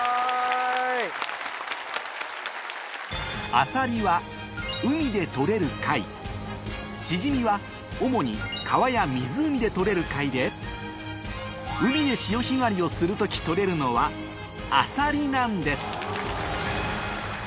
アサリは海で採れる貝シジミは主に川や湖で採れる貝で海で潮干狩りをする時採れるのはアサリなんです